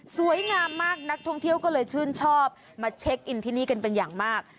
สวยงามมากนักท่องเที่ยวก็เลยชื่นชอบมาเช็คอินที่นี่กันเป็นอย่างมาก